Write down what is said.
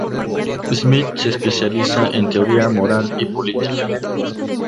Smith se especializa en teoría moral y política.